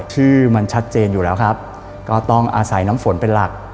ที่มันชัดเจนอยู่แล้วครับก็ต้องอาศัยน้ำฝนเป็นหลัก